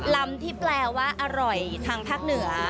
ลำที่แปลว่าอร่อยทางภาคเหนือ